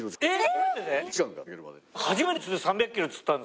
えっ！